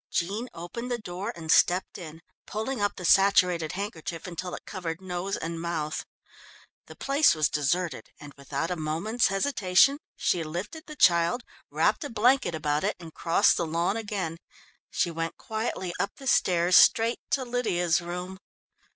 Jean opened the door and stepped in, pulling up the saturated handkerchief until it covered nose and mouth. The place was deserted, and, without a moment's hesitation, she lifted the child, wrapped a blanket about it and crossed the lawn again. She went quietly up the stairs straight to Lydia's room.